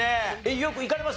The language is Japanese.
よく行かれます？